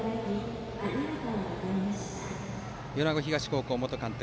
米子東高校元監督